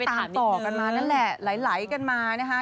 ตามต่อกันมานั่นแหละไหลกันมานะคะ